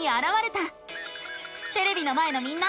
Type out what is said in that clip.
テレビの前のみんな！